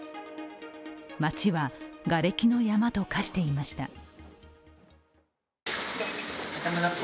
町はがれきの山と化していました。